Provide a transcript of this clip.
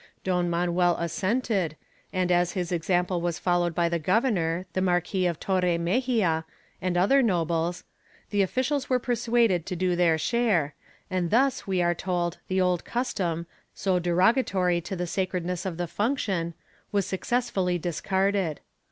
Don Manuel assented and his example was followed by the Governor, the Marquis of Torre Mexia and other nobles; the officials were persuaded to do their share, and thus, we are told, the old custom, so derogatory to the sacredness of the function, was successfully discarded.